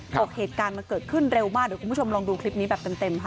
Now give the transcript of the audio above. บอกเหตุการณ์มันเกิดขึ้นเร็วมากเดี๋ยวคุณผู้ชมลองดูคลิปนี้แบบเต็มค่ะ